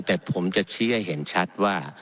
แต่ผมจะเชื่อเห็นชัดว่า